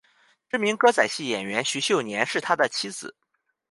知名歌仔戏演员许秀年是他的妻子。